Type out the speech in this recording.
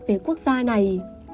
về quốc gia này